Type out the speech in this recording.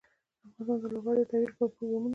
افغانستان د لوگر د ترویج لپاره پروګرامونه لري.